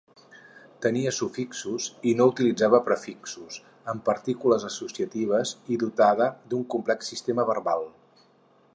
Tenia sufixos i no utilitzava prefixos, amb partícules associatives i dotada d'un complex sistema verbal.